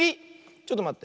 ちょっとまって。